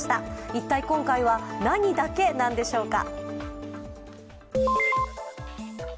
一体、今回は何だけなんでしょうか？